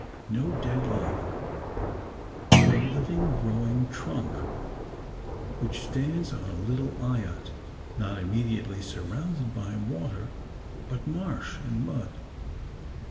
No dead log, but a living growing trunk, which stands on a little eyot, not immediately surrounded by water, but marsh and mud.